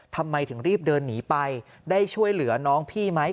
ทำไมถึงรีบเดินหนีไปได้ช่วยเหลือน้องพี่ไหม